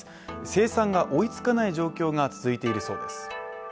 生産が追いつかない状況が続いているそうです